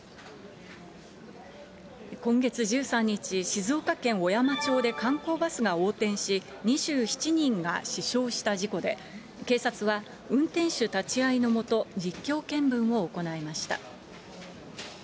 今月１３日、静岡県小山町で観光バスが横転し、２７人が死傷した事故で、警察は、運転手立ち会いの下、実況見分を行いました。